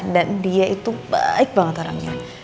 dan dia itu baik banget orangnya